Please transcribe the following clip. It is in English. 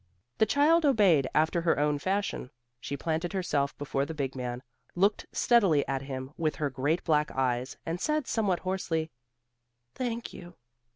The child obeyed after her own fashion. She planted herself before the big man, looked steadily at him with her great black eyes and said somewhat hoarsely, "Thank you."